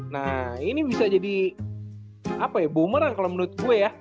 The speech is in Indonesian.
nah ini bisa jadi apa ya boomerang kalo menurut gua ya